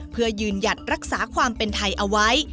เพื่อยืนหยัดรักษาความเป็นไทยเอาไว้